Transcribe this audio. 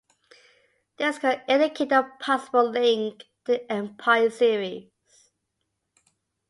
This could indicate a possible link to the Empire Series.